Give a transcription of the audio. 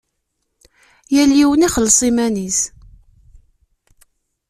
Yal yiwen ixelleṣ iman-is.